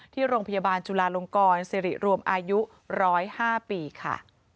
ที่โรงพยาบาลจุลาลงกรสิริรวมอายุ๑๐๕ปีค่ะ